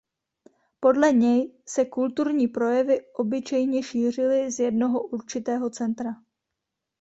Podle něj se kulturní projevy obyčejně šířily z jednoho určitého centra.